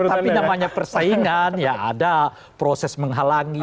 tapi namanya persaingan ya ada proses menghalangi